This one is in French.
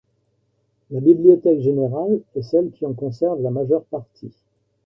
La Bibliothèque Générale est celle qui en conserve la majeure partie.